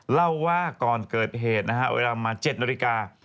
เล่าว่าก่อนเกิดเหตุนะฮะเวลามา๗นาฬิกา